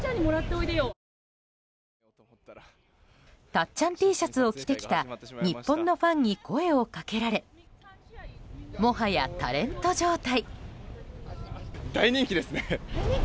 たっちゃんＴシャツを着てきた日本のファンに声をかけられもはやタレント状態。